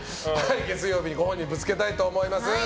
月曜日、ご本人にぶつけたいと思います。